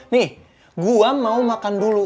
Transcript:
nih gua mau makan dulu